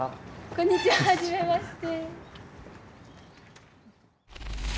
こんにちははじめまして。